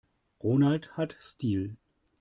Ronald hat Stil.